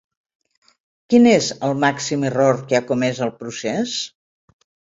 Quin és el màxim error que ha comès el procés?